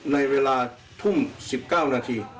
ในเวลาทุ่ม๑๙นาที